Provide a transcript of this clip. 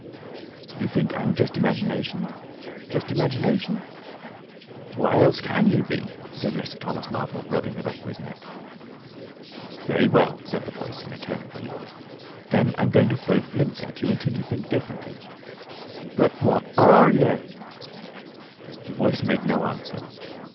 "You think I'm just imagination? Just imagination?" "What else can you be?" said Mr. Thomas Marvel, rubbing the back of his neck. "Very well," said the Voice, in a tone of relief. "Then I'm going to throw flints at you till you think differently." "But where are yer?" The Voice made no answer.